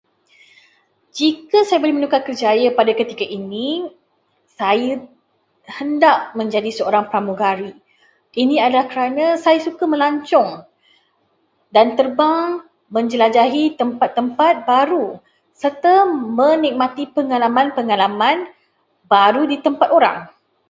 Jika saya boleh menukar kerjaya pada masa ini, saya hendak menjadi pramugari. Ini adalah kerana saya suka melancong dan terbang menjelajahi tempat-tempat baru serta menikmati pengalaman-pengalaman baru di tempat orang.